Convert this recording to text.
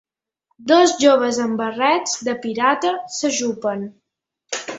Dos joves amb barrets de pirata s'ajupen.